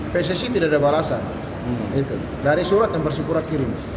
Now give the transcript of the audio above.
pssi tidak ada balasan dari surat yang persipura kirim